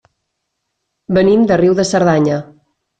Venim de Riu de Cerdanya.